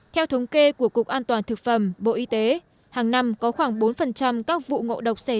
theo thống kê của cục an toàn thực phẩm bộ y tế hàng năm có khoảng bốn các vụ ngộ độc xảy ra